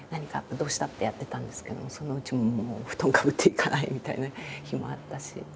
どうした？」ってやってたんですけどそのうち布団かぶって行かないみたいな日もあったし。